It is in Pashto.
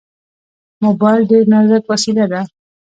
موبایل ډېر نازک وسیله ده.